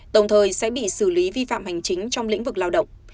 đồng thời sẽ bị xử lý vi phạm hành chính trong lĩnh vực lao động